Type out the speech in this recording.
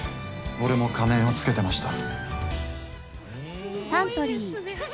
俺も仮面をつけてました。